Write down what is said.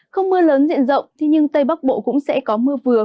không mưa lớn diện rộng nhưng tây bắc bộ cũng sẽ có mưa vừa